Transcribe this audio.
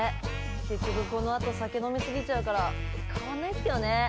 結局このあと酒飲み過ぎちゃうから変わんないんすけどね。